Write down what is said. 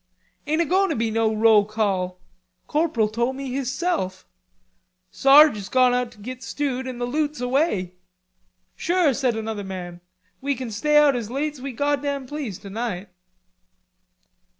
"Ain't a goin' to be no roll call. Corporal tole me his self. Sarge's gone out to git stewed, an' the Loot's away." "Sure," said another man, "we kin stay out as late's we goddam please tonight."